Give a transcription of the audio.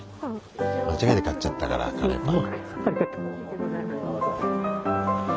間違えて買っちゃったからカレーパン。